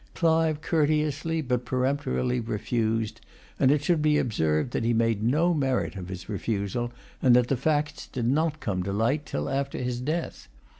Clive courteously, but peremptorily refused; and it should be observed that he made no merit of his refusal, and that the facts did not come to light till after his death.